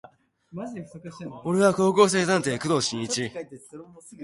俺は高校生探偵工藤新一